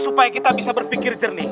supaya kita bisa berpikir jernih